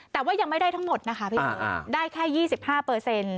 แต่ว่ายังไม่ได้ทั้งหมดนะคะได้แค่ยี่สิบห้าเปอร์เซ็นต์